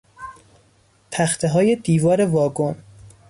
تختههای دیوار واگن